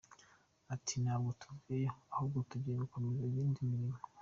Ati “Ntabwo tuvuyemo ahubwo tugiye gukomeza indi mirimo.